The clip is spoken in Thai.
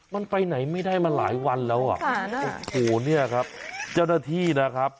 มันไปไหนไม่ได้มาหลายวันแล้วอ่ะโอ้โหเนี่ยครับเจ้าหน้าที่นะครับ